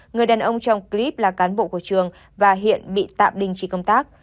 người đàn ông trong clip là cán bộ của trường và hiện bị tạm đình chỉ công tác